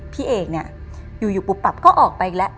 พี่เอกเนี่ยอยู่ปุ๊บปับก็ออกไปอีกแล้ว